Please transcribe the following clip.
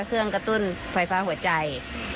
เครื่องกระตุ้นไฟฟ้าหัวใจ